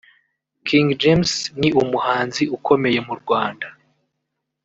King James ni umuhanzi ukomeye mu Rwanda